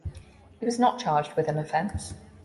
He was not charged with an offense.